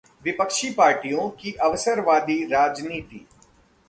विपक्षी पार्टियों की अवसरवादी राजनीति